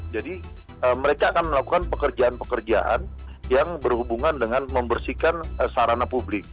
jadi mereka akan melakukan pekerjaan pekerjaan yang berhubungan dengan membersihkan sarana publik